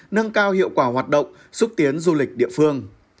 nâng cao hiệu quả hoạt động xúc tiến du lịch địa phương